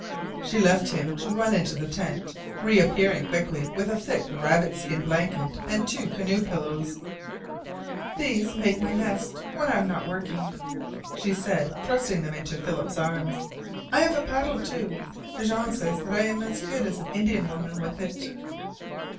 She left him to run into the tent, reappearing quickly with a thick rabbit skin blanket and two canoe pillows. "These make my nest when I'm not working," she said, thrusting them into Philip's arms. "I have a paddle, too. Jean says that I am as good as an Indian woman with it."